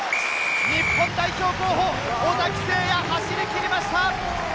日本代表候補・尾崎晟也、走り切りました！